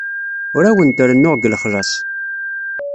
Ur awent-rennuɣ deg lexlaṣ.